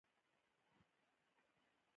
د کلی غږونه طبیعت ته نږدې کوي